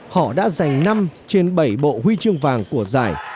họ đã giành năm trên bảy bộ huy chương vàng của giải